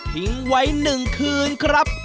ทิ้งไว้หนึ่งคืนครับ